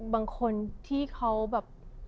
บางคนที่เขาแบบ